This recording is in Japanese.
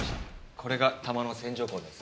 これが弾の線条痕です。